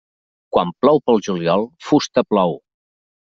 Quan plou pel juliol, fusta plou.